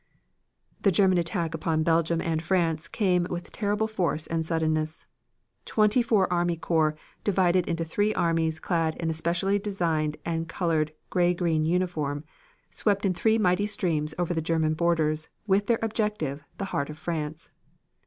The German attack upon Belgium and France came with terrible force and suddenness. Twenty four army corps, divided into three armies clad in a specially designed and colored gray green uniform, swept in three mighty streams over the German borders with their objective the heart of France.